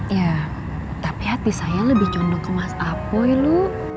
ya tapi hati saya lebih condong ke mas apoy lu